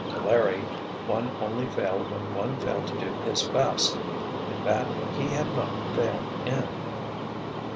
To Larry, one only failed when one failed to do his best—and that he had not failed in.